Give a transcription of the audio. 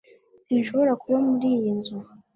Sinshobora kuba muri iyi nzu